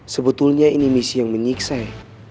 sebetulnya ini misi yang menyiksa ya